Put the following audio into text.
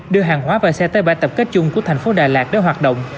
đưa hàng hóa và xe tới bãi tập kết chung của thành phố đà lạt để hoạt động